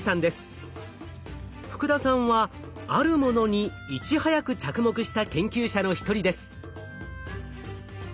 福田さんはあるものにいち早く着目した研究者の一人です。